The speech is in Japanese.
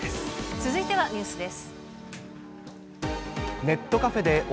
続いてはニュースです。